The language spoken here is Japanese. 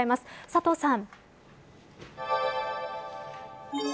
佐藤さん。